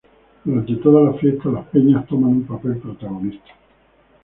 Durante todas las fiestas las peñas toman un papel protagonista.